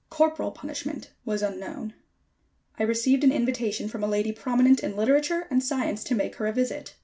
Corporal punishment was unknown. I received an invitation from a lady prominent in literature and science to make her a visit.